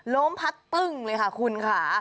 ลมพัดปึ้งเลยค่ะคุณค่ะ